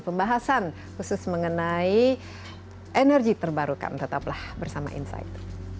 pembahasan khusus mengenai energi terbarukan tetaplah bersama insight